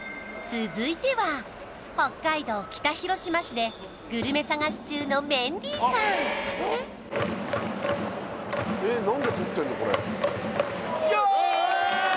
続いては北海道北広島市でグルメ探し中のメンディーさんよーっ！